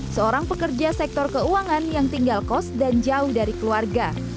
seorang pekerja sektor keuangan yang tinggal kos dan jauh dari keluarga